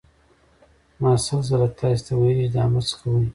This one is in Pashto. ما سل ځله تاسې ته ویلي چې دا مه څکوئ.